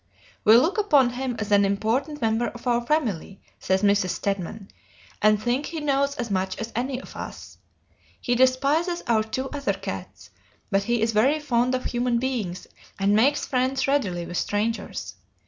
"We look upon him as an important member of our family," says Mrs. Stedman, "and think he knows as much as any of us. He despises our two other cats, but he is very fond of human beings and makes friends readily with strangers.